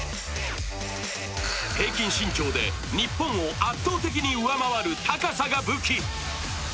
平均身長で日本を圧倒的に上回る高さが武器。